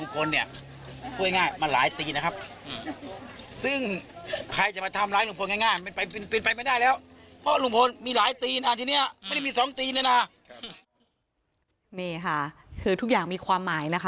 คือทุกอย่างมีความ